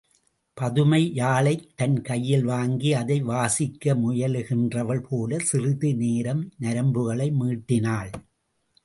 பதுமை யாழைத் தன் கையில் வாங்கி அதை வாசிக்க முயலுகின்றவள் போலச் சிறிது நேரம் நரம்புகளை மீட்டினாள்.